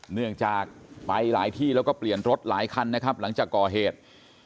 เนื่องจากไปหลายที่แล้วก็เปลี่ยนรถหลายคันนะครับหลังจากก่อเหตุ